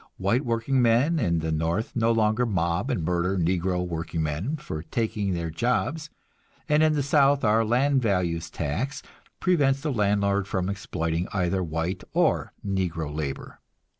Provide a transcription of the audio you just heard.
White workingmen in the North no longer mob and murder negro workingmen for taking their jobs, and in the South our land values tax prevents the landlord from exploiting either white or negro labor.